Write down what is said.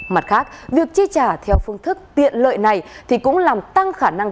mặt khác việc chi trả theo phương thức tiện lợi này thì cũng làm tăng khả năng